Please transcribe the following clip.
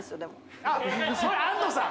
いそれ安藤さん